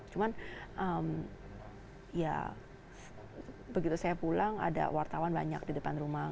cuman ya begitu saya pulang ada wartawan banyak di depan rumah